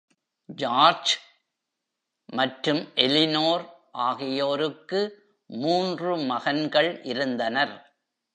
George மற்றும் Eleanor ஆகியோருக்கு மூன்று மகன்கள் இருந்தனர்.